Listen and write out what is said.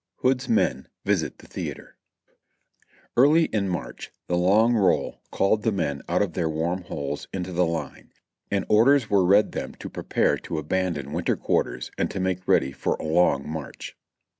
hood's men visit The theatre. Early in March the long roll called the men out of their warm' holes into the line, and orders were read them to prepare to abandon winter quarters and to make ready for a long march.